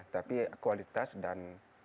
tapi kualitas dan